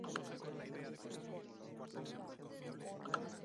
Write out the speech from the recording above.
En el hinduismo, está conectada con las divinidades Visnú y Ganesha.